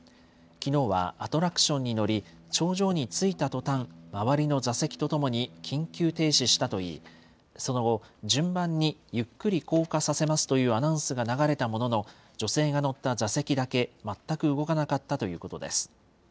きのうはアトラクションに乗り、頂上に着いたとたん、周りの座席とともに緊急停止したといい、その後、順番にゆっくり降下させますというアナウンスが流れたものの、女性が乗った座席だけ全く動かなかったということです。